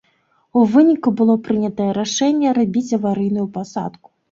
У выніку было прынятае рашэнне рабіць аварыйную пасадку.